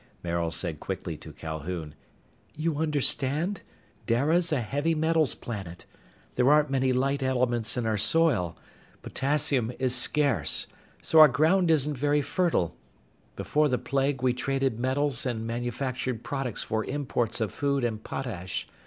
Maril said quickly to Calhoun, "You understand? Dara's a heavy metals planet. There aren't many light elements in our soil. Potassium is scarce. So our ground isn't very fertile. Before the Plague we traded metals and manufactured products for imports of food and potash.